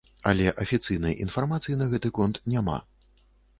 Але афіцыйнай інфармацыі на гэты конт няма.